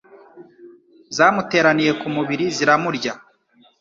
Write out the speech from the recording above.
Zamuteraniye ku mubiri ziramurya